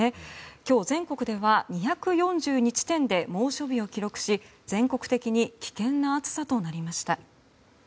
今日、全国では２４２地点で猛暑日を記録し全国的に危険な暑さとなりました。